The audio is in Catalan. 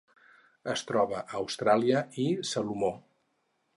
Es troba a Austràlia i Salomó.